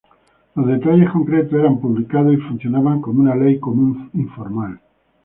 Los detalles concretos eran publicados y funcionaban como una ley común informal.